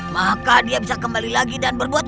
maka dia bisa kembali lagi dan berbuat